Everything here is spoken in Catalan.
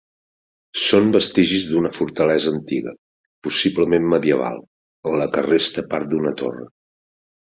Són vestigis d'una fortalesa antiga, possiblement medieval, en la que resta part d'una torre.